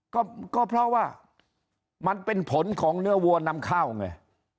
ก็เพราะว่ามันเป็นผลของเนื้อวัวนำข้าวไง